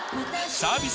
サービス